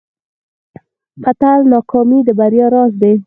متل: ناکامي د بریا راز دی.